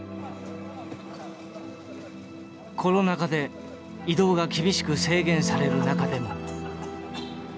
コロナ禍で移動が厳しく制限される中でも。